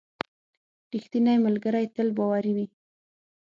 • رښتینی ملګری تل باوري وي.